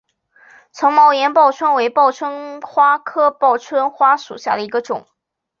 丛毛岩报春为报春花科报春花属下的一个种。